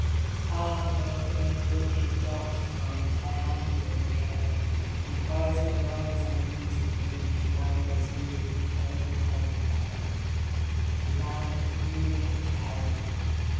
Ah, Lord! they may grope through the dark to find Thy hand within the gale; And cries may rise on the wings of the wind From mariners weary and pale, pale, pale From mariners weary and pale!